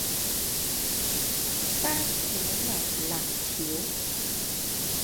蕃茄牛肋條